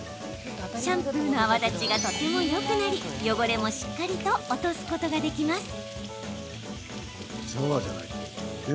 シャンプーの泡立ちがとてもよくなり汚れもしっかりと落とすことができます。